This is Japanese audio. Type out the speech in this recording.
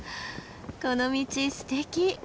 この道すてき！